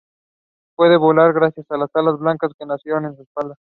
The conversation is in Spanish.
Puede volar gracias a las alas blancas que nacieron en su espalda.